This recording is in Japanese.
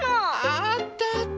ああったあった！